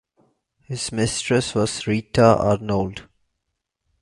His mistress was Rita Arnould.